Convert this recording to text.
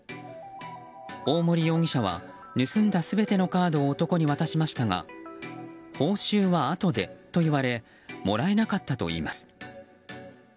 大森容疑者は、盗んだ全てのカードを男に渡しましたが報酬は、あとでと言われもらえなかったといいます。